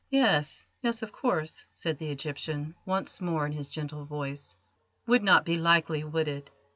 "Yes, yes, of course," said the Egyptian, once more in his gentle voice; "would not be likely, would it?